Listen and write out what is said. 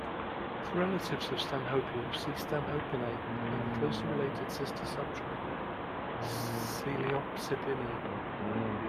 For relatives of Stanhopea see Stanhopeinae and the closely related sister subtribe Coeliopsidinae.